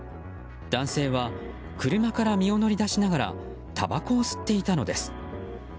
男性は車から身を乗り出しながらたばこを吸っていたのです。